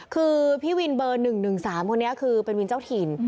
คือพี่วินเบอร์๑๑๓คนนี้คือเป็นวินเจ้าถิ่น